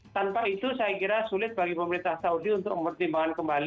tanpa itu saya kira sulit bagi pemerintah saudi untuk mempertimbangkan kembali